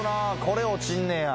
これ落ちんねや。